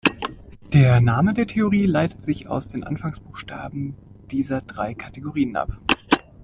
Der Name der Theorie leitet sich aus den Anfangsbuchstaben dieser drei Kategorien ab.